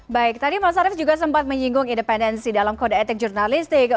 baik tadi mas arief juga sempat menyinggung independensi dalam kode etik jurnalistik